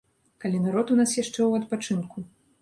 Калі народ у нас яшчэ ў адпачынку.